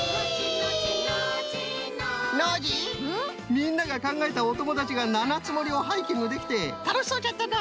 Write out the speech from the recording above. みんながかんがえたおともだちが七ツ森をハイキングできてたのしそうじゃったな。